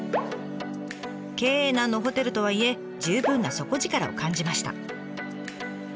経営難のホテルとはいえ十分な底力を感じました。